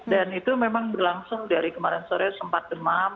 dan itu memang berlangsung dari kemarin sore sempat demam